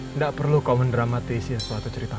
tidak perlu kau mendramatisir suatu cerita